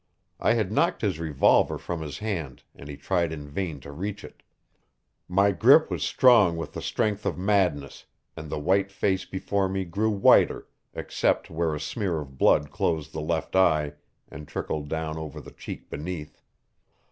I had knocked his revolver from his hand, and he tried in vain to reach it. My grip was strong with the strength of madness, and the white face before me grew whiter except where a smear of blood closed the left eye and trickled down over the cheek beneath.